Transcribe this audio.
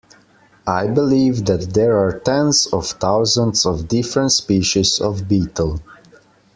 I believe that there are tens of thousands of different species of beetle